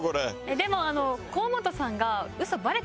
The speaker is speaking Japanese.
でもあの河本さんが。